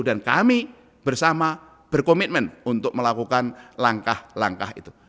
dan kami bersama berkomitmen untuk melakukan langkah langkah itu